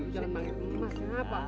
jangan panggil emas kenapa